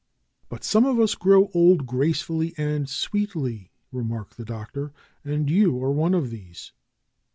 "But some of us grow old gracefully and sweetly," remarked the Doctor. "And you are one of these."